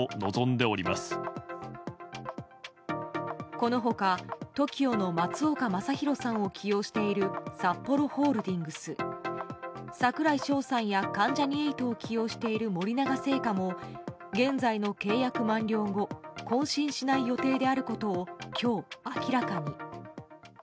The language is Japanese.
この他、ＴＯＫＩＯの松岡昌宏さんを起用しているサッポロホールディングス櫻井翔さんや関ジャニ∞を起用している森永製菓も現在の契約満了後更新しない予定であることを今日、明らかに。